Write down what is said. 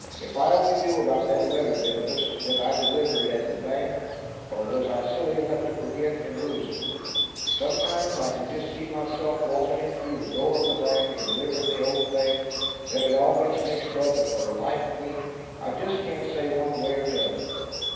"If I only knew about that letter business. Did I deliver it at the bank; or was I silly enough to forget, and lose it? Sometimes I c'n just see myself walkin' in through the door of that bank, and deliverin' the old thing; then it all gets mixed up, and for the life of me I just can't say one way or t'other.